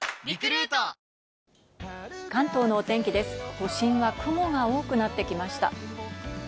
都心は雲が多くなってきました。